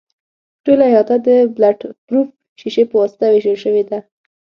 ټوله احاطه د بلټ پروف شیشې په واسطه وېشل شوې ده.